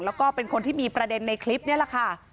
แล้วก็เป็นคนที่มีประเด็นในคลิปนี่แหละค่ะ